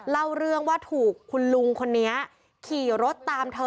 เล่าเรื่องว่าถูกคุณลุงคนนี้ขี่รถตามเธอ